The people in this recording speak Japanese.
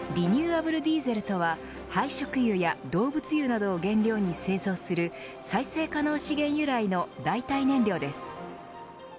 アブルディーゼルとは廃食油や動物油などを原料に製造する再生可能資源由来の代替燃料です。